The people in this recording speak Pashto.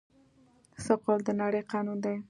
ثقل د نړۍ قانون دی.